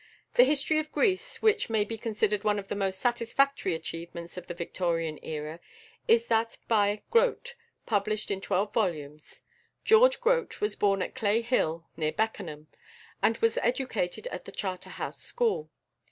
The "History of Greece" which may be considered one of the most satisfactory achievements of the Victorian era, is that by Grote, published in twelve volumes. =George Grote (1794 1871)= was born at Clay Hill, near Beckenham, and was educated at the Charterhouse School.